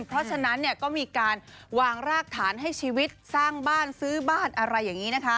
เพราะฉะนั้นก็มีการวางรากฐานให้ชีวิตสร้างบ้านซื้อบ้านอะไรอย่างนี้นะคะ